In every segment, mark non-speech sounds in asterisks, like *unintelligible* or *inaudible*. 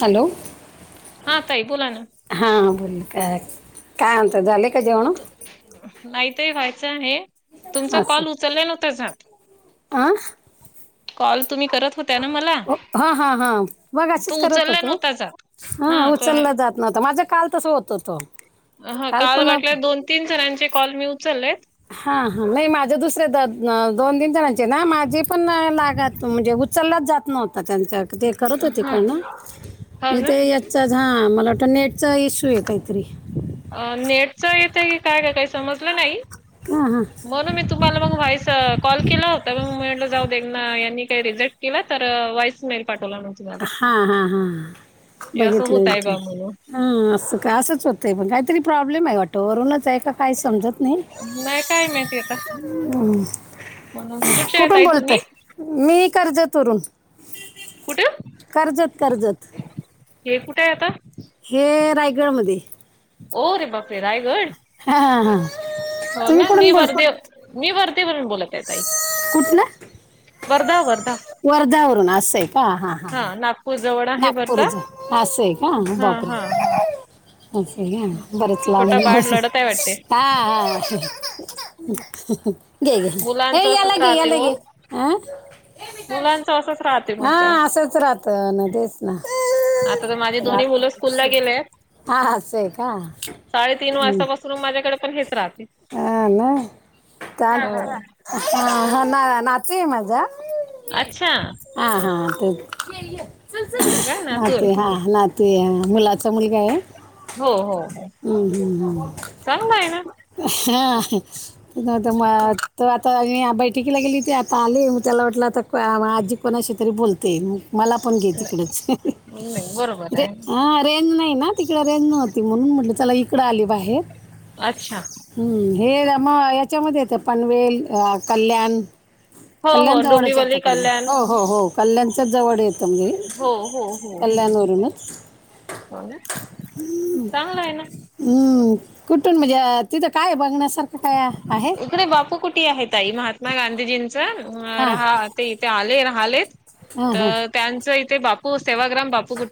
Hello हा ताई बोला ना हा बोल का काय म्हणता झाले का जेवण? नाहीत व्हायचं आहे तुमचा कॉल उचलला नव्हतासा अं कॉल तुम्ही करत होत्या ना मला हां हां हां तु उचलला नव्हतासा हा उचलला जात नव्हतं माझ्या काल तसं होत होतो ह काल वाटल्या दोन तीन जणांचे कॉल मी उचललेत हा हा नाही माझे दुसरे दोन तीन जणांचे ना माझी पण लागत म्हणजे उचललाच जात नव्हता त्यांच्या ते करत हो हा तिकडनं हो मी ना ते हां मला वाटतं नेटचा इश्यू आहे काहीतरी अ नेटच इथं की काय काय काही समजलं नाही हां हां म्हणून मी तुम्हाला मग वॉईस कॉल केला होता म म्हटलं जाऊ देना यांनी काही रिजेक्ट केला तर वॉइस मेल पाठवला ना हां हां हां असं बघितलं होत आहे बघितलं बा म्हणून ह असं का असंच होतंय पण काहीतरी प्रॉब्लेम आहे वाटं वरूनच आहे का काय समजत नाही. नाही काय माहिती आता *inaudible* कुठून बोलतोय तुम्ही मी कर्जत वरून कुठे कर्जत कजत हे कुठे आहे आता? हे रायगडमध्ये ओ रे बाप रे रायगड हां, हां, हां. हो तुम्ही ना मी कुठून बोल वर कुठ दे मी वरदे वरून बोलत आहे ताई कुठलं? वर्धा वर्धा वर्ध्यावरून असंय का हां हां हा हां नागपूर जवळ आहे वर्धा नागपूरच असं आहे हा का हा हा ओके घ बरंच छोटा लांब बाळ लढत आहे वाटते बसने घ घ ए मुलांचं असंच यालागे राहते हो यालागे हा मुलांचं असंच राहते हा म्हटलं असंच राहत न तेच ना आता तर माझे दोन्ही मुलं स्कूल ला गेले हा असं आहे का साडेतीन वाजतापासून माझ्याकडे पण हेच राहते ह ना हो हा ना नात माझ अच्छा हा हा हो का नातू आहे ते हा ते मुलाचा मुलगा आहे हो हो हो हम् चांगलं आहे ना ह हा म आ तर बैठकीला गेली ते आता आले मग त्याला वाटलं आता आजी कोणाशी तरी बोलते मला आपण कचे नाही नाही, बरोबर आहे ह रेंज नाही ना तिकड रेनज नव्हती म्हणून म्हटले चला इकडं आली बाहेर अच्छा हम्म हे मग याच्यामध्ये येत पनवेल कल्याण हो कल्याण हो जवळच येतं डोंबिवली कल्याण हो हो हो कल्याणच्याच जवळ येतं म्हणजे हो हो हो कल्याण हो चांगलं आहे ना हम्म कुठून म्हणजे तिथं काय बघण्यासारखं काय आहे अे बापू कुठे आहेत आई महात्मा गांधीजींचं हां राहा ते ते आले राहिलेत हां हां तर त्यांचं इथे बापू सेवाग्राम बापू कुठ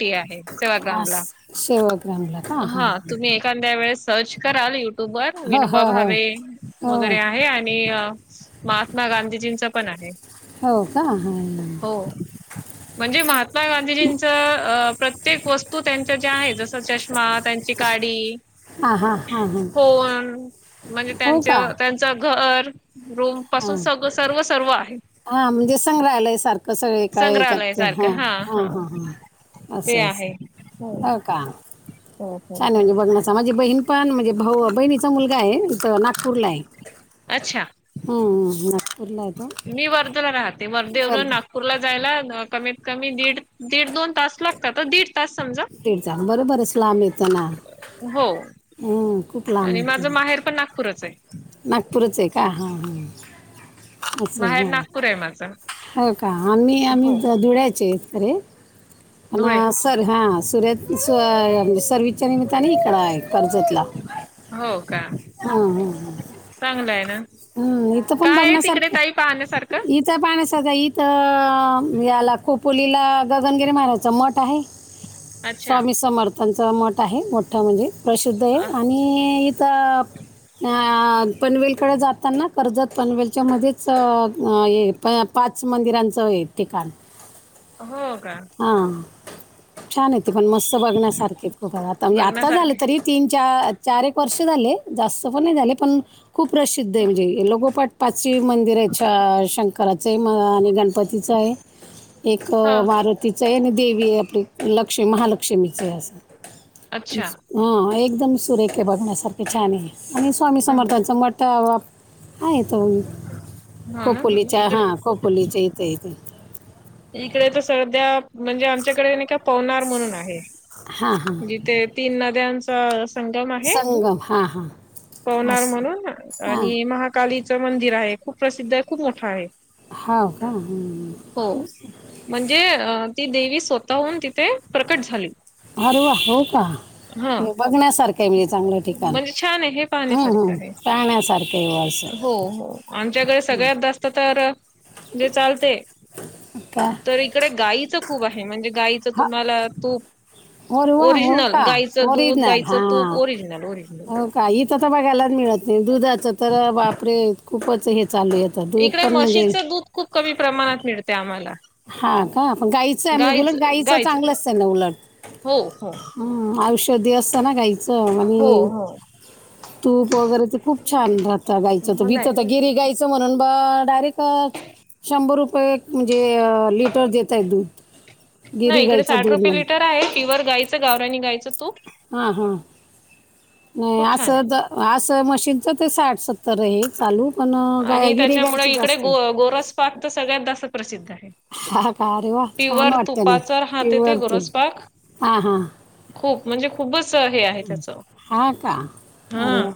असं सेवाग्रामला *inaudible* का हां ्या वे सर्च कराल युट्यूब वर हो विनोबा हो भा हो हो गरे आहे आणि महात्मा गांधीजींच पण आहे हो का ह हो म्हणजे महात्मा गांधीजींचं प्र प्रत्येक वस्तू त्यांच्या ज्या आहे जस चष्मा त्यांची काडी हां हां हां हो म्हणजे हो त्यांच्या का त्यांच घर रूम पासून सग सर्व सर्व आहे हा म्हणजे संग्रहालाय सारखं कसं वळी काय संग्रहालय याच्यात सारखं हां हा हां हा हां हां ते असं आहे असं हो क का हो हो छान हो म्हणजे बघण्याचा माझी बहीण पण म्हणजे भाऊ बहिणीचा मुलगा आहे नागपूरला आहे अच्छा हम्म नागपूरला येतो मी वर्धला राहते वर्देवर ूरला जायला कमीत कमी दीड दीड दोन तास लागतात दीड तास समजा िचा बरोबर आहे असलाम यताना हो आणि माझं माहेर पण नागपूरच आहे नागपूरचं आहे का हां हां असं माहेर जा नागपूर आहे माझं हो का आम्ही आम्ही हो धुळ्यायचे आहेत खे पण धुळे सर हा सर्या म्हणजे सर्विसच्या निमित्ताने इकड आहे कर्जेतला हो का हा ह चांगलं आहे ना काय आहे तिकडे ताई पाहण्यासारखं तचा पाणसाचा इथं याला कोपोलीला गगनगिरी महाराजचं मठ आहे अच्छा स्वामी समर्थांचं मठ आहे मोठं म्हणजे प्रसिद्ध आहे आणि इथं पनवेलकडे जाताना कर्जत पनवेलच्यामध्येच ये प पाच मंदिरांचं आहे ठिकाण हो का हा छान येते पण मस्त बघण्यासारखे खूप आता म्हणजे आता झालं बघण्यासारखे तरी तीन चार चार एक वर्ष झाले जास्त पण नाही झाले पण खूप प्रसिद्ध आहे म्हणजे लोघोपट पाचश मंदिर आहेत शंकराचं आहे म आणि गणपतीचं आहे एक हो वारतीचं आहे आणि देवी आहे आपली लक्ष्मी महालक्ष्मीचं आहे असं अच्छा हा एकदम सुरेख बघण्यासारखे छान आहे आणि स्वामी समर्थांचं मठ तर वा आहे य तो हो ना खपोलीच्या इकडे हां कोपोलीच्या इथं यथे इकडे तर सध्या म्हणजे आमच्याकडे का पवनार म्हणून आहे हां हां जिथे तीन नद्यांचा सगम आहे संगम हां हां पवनार असं म्हणून आणि महा कालीचं मंदिर आहे खूप प्रसिद्ध आहे खूप मोठा आहे. होव का? हो. म्हणजे ती देवी स्वतःहून तिथे प्रकट झाली अरे वा हो का? हा. बघण्यासारखं आहे म्हणजे चांगलं ठिकाण म्हणजे छान आहे हे हम्म पाहण्यासारखं हम्म आहे. पाहण्यासारखं आहे. हो हो आमच्याकडे सगळ्यात जास्त तर जे चालते का तर इकडे गाईचं खूप आहे म्हणजे गाईचं हा तुम्हाला अरे तूप वा हो ओरिजनल का गायचं दूध गायचं तूप ओरिजनल ओरिजनल. काहीच आता बघाला मिळत नाहीं, दुधाचं तर बापरे खूपच हे चालले. तर दूध इकडे पन् म्हणजे.. म्हशीचं दूध खूप कमी प्रमाणात मिळते आम्हाला. हा का पण गाईचं आहे म्हणजे गाईच उलट गाईचं गाईच चांगलं असत ना उलट. हो हो हम औषधी असतं ना घायचं हो आणि हो तूप वगैरे ते खूप छान राहता गायचं तर हो भितत नाही तर गिरी गायी असं म्हणून ब डायरेक्ट शंभर रुपये म्हणजे लिटर देतय दूध गिरी गाईचं दूध म्हण पिवर गायचं गावनी गायचं तूप हा हा नाही खूप छान आहे. असं असं मशीनच ते साठ सत्तर आहे चालू पण अं, आणि गाय गिरी त्याच्यामुळे गायचं इकडे जास्त गो आहे गोरस पाात तर सगळ्यात जास्त प्रसिद्ध हाय. हा का अरे वा छान प्युअर वाटतं ना तुपाच टी व्ही राहते येते वरतोय घोरसपाक. हा हा खूप म्हणजे खूपच हे आहे त्याच हा का हा अरे वा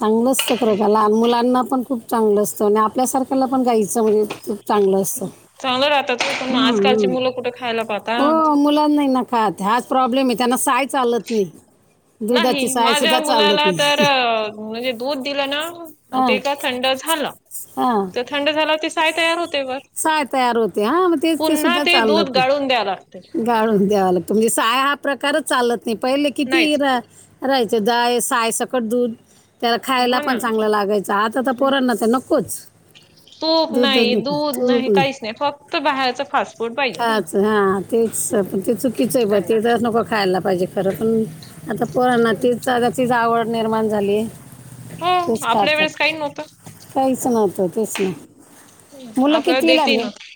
चांगलं असतं क का लहान मुलांना पण खूप चांगलं असतं आणि आपल्यासारखं ला पण गायचं म्हणजे खूप चांगलं असतं चांगलं राहतात पण आजकालची हम्म मुलं कुठे खायला पाहतात. हो मुलांनाही खात हाच प्रॉब्लेम आहे त्यांना साय चालत नाही दुधाची नाही सहा माझ्या सुद्धा चालत मुलाला तर नाही म्हणजे दूध दिलं ना हा ते का थंड झालं हा तर थंड झाला ते साय तयार होते बर साय तयार होते हा मग तेच पुन्हा सुद्धा ते दूध चालत नाही गाळून द्याव लागते. गाळून द्यावा लागतो म्हणजे साय हा प्रकारच चालत नाही पहिले किती हि नाहीच राहायचं दय सायसकट दूध त्याला खायला हो ना पण चांगलं लागायचं आता तर पोरनाच नकोच तूप नाही दूध खूप नाही काहीच फक्त बाहेरच फास्ट फूड पाहिजे खायाच हा तेच पण तेच त्यांना *unintelligible* नको खायला पाहिजे खरं पण आता पोरना *unintelligible* आवड निर्माण झाली हो तेच आपल्या खातात वेळेस काही काहीच नात तेच ना हा मुलं आपल्याला कितवीला देतेही मी नव्हतं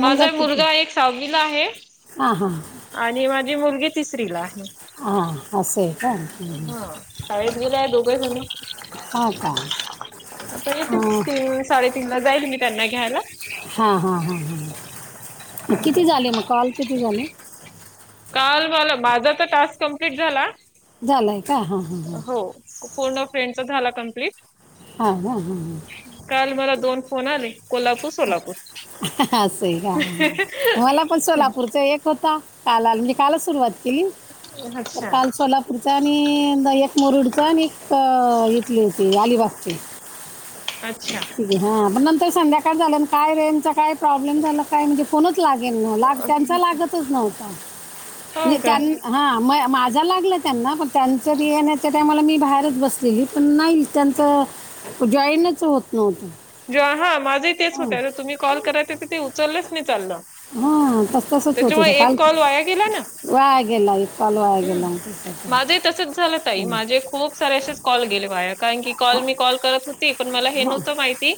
माझा मुलगा एक साहावीला आहे हां हां आणि माझी मुलगी तिसरीला आहे. हा हा शाळेत गेले आहे दोघेजण. हां का आता येतील हां तीन साडेतीन ला जाईल मी त्यांना घ्यायला. हा हा हा म किती झाले मग कॉल किती झाले? काल मला माझा तर टास्क कंप्लीट झाला झालाय का हां हां हो. पूर्ण फ्रेंडचा झाला कम्प्लीट हा हा हा काल मला दोन फोन आले कोल्हापूर सोलापूर असं का मला पण सोलापूरचा एक होता. काल आले कालच सुरुवात केली अच्छा तर सोलापूर आणि एक मोरुडचा आणि एक इथली होती अलिबागची. रिकामा ऑडिओ अच्छा. हा पण नंतर संध्याकाळ झालं काय रेंजचा काय प्रॉब्लेम झाला? काय म्हणजे फोनच लागेल न लाग त्यांचा लागतच नव्हता म्हणजे हो का त्यांना हा म माझा लागला त्यांना पण त्यांच्या येण्याचे त्या मला मी बाहेरच बसलेली पण नाही त्यांंतं जॉईनच होत नव्हतं ज हा माझाही तेच हा होत तुम्ही कॉल कराय तर ते उचललंच नाही चाललं हा, तस तसंच होत त्याच्यामुळे होतं काल एक कॉल वाया गेला ना वाया गेला एक काल वाया हम्म गेला माझ तसंच तसंच झालं त आहे माझे खूप सारे असे कॉल गेले वाया कारण कि हा मी कॉल करत होते मला हे हा नव्हतं माहिती,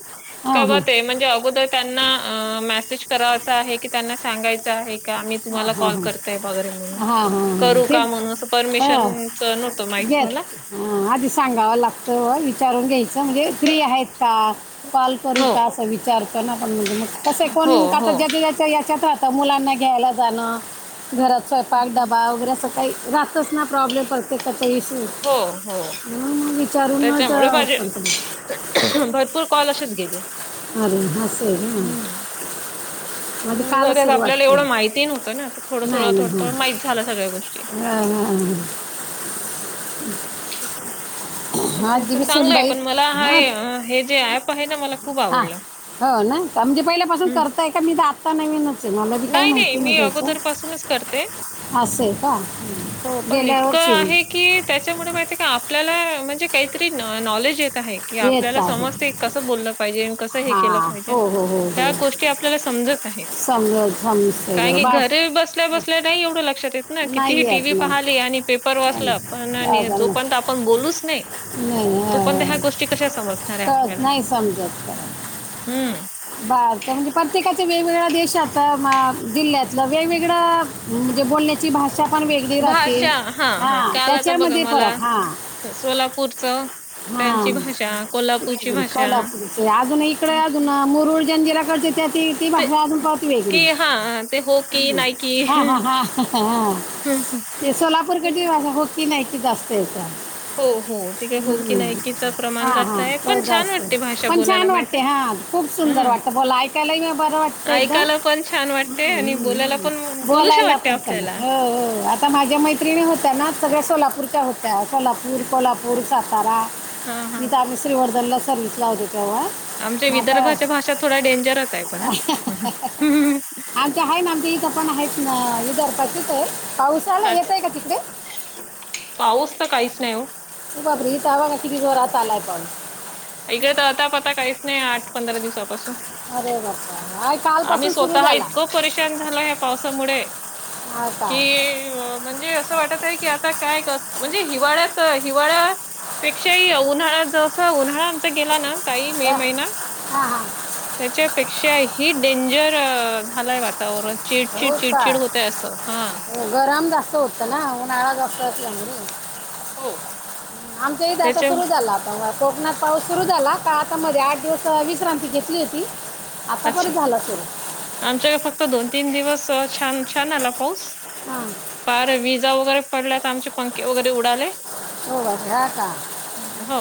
हा का बुआ तें... म्हणजे अगोदर त्यांना मेसेज करायचं आहे की त्यांना सांगायच आहे.? का आम्ही तुम्हाला हा हा कॉल करताय वगैरे म्हणून हा हा करू का तेच म्हणून असं हा परमिशनच नव्हतं माहीत घेत मला हा आधी सांगावं लागतं विचारून घ्यायचं म्हणजे फ्री आहेत का पाल करू हो का असं विचारतो ना पणण मग कसे हो कोण आता हो ज याच्यात मुलांना घ्यायला जाणं घरात स्वयंपाक डबा वगैरे सकाळी राहतंच ना प्रॉब्लेम पडते त्याचा इशू हो हो त्याच्यामुळे बाजे भरपूर कॉल असेच गेले अरे ह स आहे ग ग ज आपल्यालावढं माहिती नवत ना थोडं थोडंथोडं थोड माह झा सगळ्या गोष्टी हम ं आहे तर चांगलं आहे सुनबाई पण मला हाय हे जे ऍप आहे ना मला खूप हा आवडलं हो ना म्हणजे पहिल्यापासून हम्म करताय का मी तर आत्ता नवीन नाही नाही मी अगोदर पासूनच करते असं आहे का हो पण गेल्या इतकं वर्षी आहे की त्याच्यामुळे माहि आपल्याला म्हणजे काहीतरी नॉलेज येत की येत आपल्याला आहे समजत कसं बोललं पाहिजे कसं हे केलं हां पाहिजे हो हो त्या गोष्टी आपल्याला समजत आहे संगध काय की घरी बसल्या बसल्या नाही एवढं लक्षात येत ना कितीही नाही टी येत व्ही नाही पाहिली आणि पेपर काय नाही. वाचलं पण काय नाही जो झालं? पर्यंत आपण बोलूच नाही नाही तू हां, पण त्या ह्या हां. गोष्टी कशा समजणार आहे कळत आपल्याला नाही हम्म ब म्हणजे प्रत्येकाच्या वेगवेगळ्या देशात जिल्ह्यातलं वेगवेगळं म्हणजे बोल ची भाषा पण वेगळी राहते भाषा हा काल आता बघा त्याच्यामध्ये मला फरक हा सोलापूरचं हा त्यांची भाषा कोल्हापूरची भाषा अजून इकडे अजून मुरुड ज्यां जला कळते त्या ती ती ते बाहे अजून पावती की वेगळी हा ते हो की नाही की हा ते सोलापूर कट हो कि नाही क जास्त हो हो तिकडे हो की ह्म नाहीकीचं हा प्रमाण हा जास्त आहे तर पण छान जास्त वाटते भाषा पण बोलायला छान माहित वाटते आहे हा खूप सुंदर हम्म वाटते तर बला ऐकायला म बरं वाटतं एकदम ऐकायला पण छान वाटते आणि बोलायला पण बोलूशा बोलायला वाटते हो आपल्याला हो आता माझ्या माहि तिणी होत्या ना सगळ्या सोलापूरच्या होत्या सोलापूर कोल्हापूर सातारा हा मी हा तरम श्रीवर्धनला सर्विस ला होते तेव्हा आमच्या मग आता विदर्भाच्या भाषा थोड डेंजरच आहे पण ते आहे ना आम इथं पण आहेत ना इदर पाचित आहे पावसाला काच येत आहे का तिकडे पाऊस तर काहीच नाही हो तू बापत हवा किती जोरात आलाय पण इकडे तर आताप आता काहीच नाही आठ पंधरा दिवसापासून अरे बर कालपसून सुरू झाला खूप परेशान झाल ह पावसामुळे हा का कि म्हणजे असं वाटत आहे की आता काय म्हणजे हिवाळ्यात हिवाळ्या पेक्षाही उन्हाळा जस उन्हाळा आमचा गेला ना तई मे का? महिना हा हां हां त्याच्यापेक्षा ह डेंजर झालाय वा वातवरण चिडचिड हो का चिडचिड होतय असं हा. गरम जास्त होतं ना उनळा जास्त असल्यामुळे. हो आमच्या इथे आता त्याच्या सुरू झाला. कोकणात पाऊस सुरु झाला का आता मध्ये आठ दिवस विश्रांती घेतली होती आता पर अच्छा. झाला त आमच्याकडे फक्त दोन तीन दिवस छान छान आला पाऊस हम फार विजा वगैरे पडल्यात आमचे पंखे वगैरे उडाले. *unintelligible* हो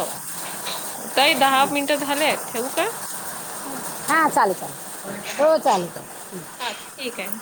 काही दहा मिनटं झालेत ठेवू का. हां चालेल हो चालेल चालेल. हा ठीक आहे.